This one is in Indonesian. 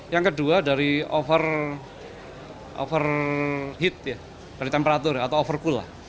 yang kedua dari overheat ya dari temperatur atau overcool